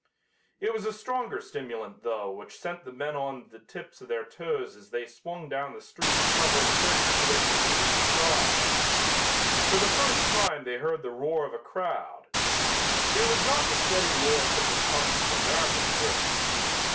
It was a stronger stimulant, though, which sent the men up on the tips of their toes as they swung down the street covering thirty two inches with each stride. For the first time they heard the roar of a crowd. It was not the steady roar such as comes from American throats.